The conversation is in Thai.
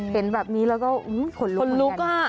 เห็นแบบนี้แล้วก็ห่วนลุกอะ